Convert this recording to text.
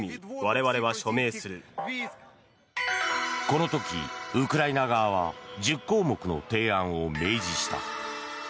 この時、ウクライナ側は１０項目の提案を明示した。